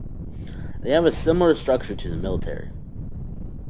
They have a similar structure to the military.